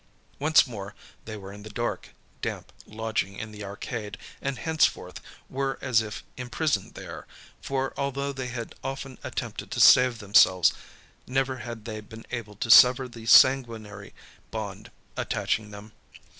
Once more they were in the dark, damp lodging in the arcade; and, henceforth, were as if imprisoned there, for although they had often attempted to save themselves, never had they been able to sever the sanguinary bond attaching them.